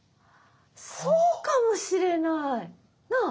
そうかもしれない。なあ？